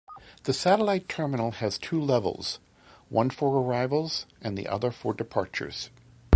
The satellite terminal has two levels, one for arrivals and the other for departures.